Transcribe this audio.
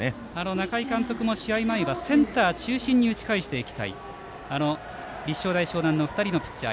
中井監督も試合前にはセンター中心に打ち返していきたいと立正大淞南の２人のピッチャー